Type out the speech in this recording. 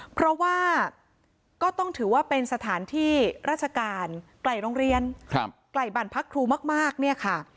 เพราะว่าก็ต้องถือว่าเป็นสถานที่ราชการไกลโรงเรียนไกลบ้านพักครูมากเนี่ยค่ะ